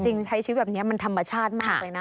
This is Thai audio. ใช้ชีวิตแบบนี้มันธรรมชาติมากเลยนะ